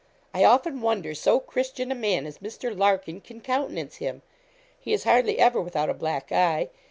'I often wonder so Christian a man as Mr. Larkin can countenance him. He is hardly ever without a black eye.